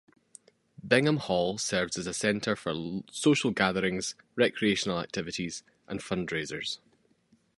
Bingham Hall serves as a center for social gatherings, recreational activities, and fundraisers.